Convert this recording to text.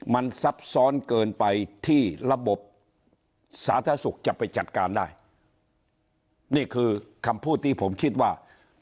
มันซับซ้อนเกินไปที่ระบบสาธารณสุขจะไปจัดการได้นี่คือคำพูดที่ผมคิดว่า